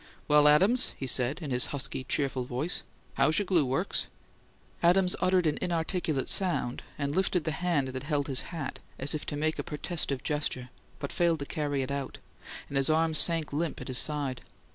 "Well, Adams," he said, in his husky, cheerful voice, "how's your glue works?" Adams uttered an inarticulate sound, and lifted the hand that held his hat as if to make a protective gesture, but failed to carry it out; and his arm sank limp at his side.